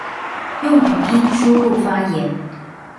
用語音輸入發言